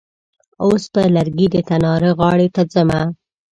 اوس په لرګي د تناره غاړې ته ځمه.